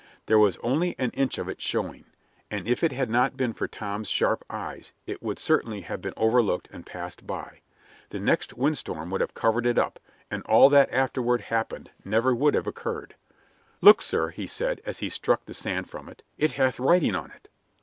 There was only an inch of it showing, and if it had not been for Tom's sharp eyes, it would certainly have been overlooked and passed by. The next windstorm would have covered it up, and all that afterward happened never would have occurred. "Look, sir," he said, as he struck the sand from it, "it hath writing on it."